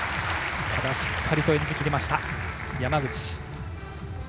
ただしっかりと演じきりました山口。